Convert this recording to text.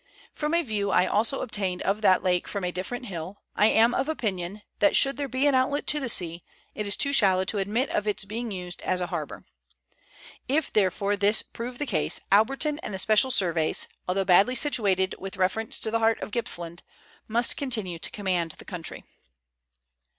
From a view I also obtained of that lake from a different hill, I am of opinion that, should there be an outlet to the sea, it is too shallow to admit of its being used as a harbour. If, therefore, this prove the case, Alberton and the special surveys, although badly situated with reference to the heart of Gippsland, must continue to command the country.